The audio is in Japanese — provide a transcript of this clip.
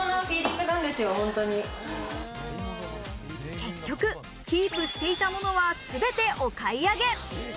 結局、キープしていたものはすべてお買い上げ。